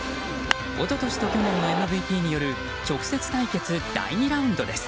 一昨年と去年のＭＶＰによる直接対決第２ラウンドです。